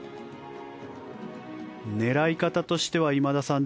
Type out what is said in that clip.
狙い方としては今田さん